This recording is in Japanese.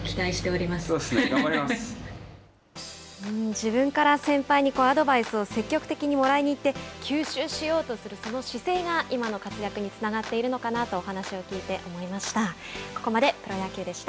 自分から先輩にアドバイスを積極的にもらいに行って吸収しようとするその姿勢が今の活躍につながっているのかなとお話を聞いて思いました。